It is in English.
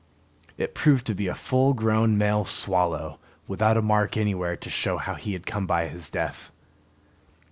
It proved to be a full grown male swallow, without a mark anywhere to show how he had come by his death.